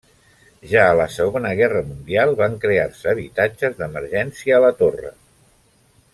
Ja a la segona guerra mundial van crear-se habitatges d'emergència a la torre.